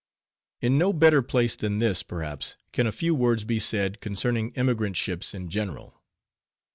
In no better place than this, perhaps, can a few words be said, concerning emigrant ships in general.